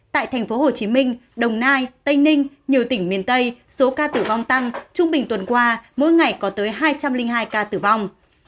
tại tp hcm đồng nai tây ninh nhiều tỉnh miền tây số ca tử vong tăng trung bình tuần qua mỗi ngày có tới hai trăm linh hai ca tử vong